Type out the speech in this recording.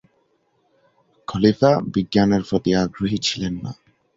খলিফা বিজ্ঞানের প্রতি আগ্রহী ছিলেন না।